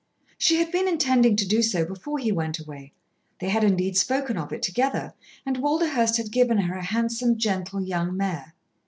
She had been intending to do so before he went away; they had indeed spoken of it together, and Walderhurst had given her a handsome, gentle young mare.